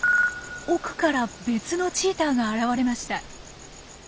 奥から別のチーターが現れました。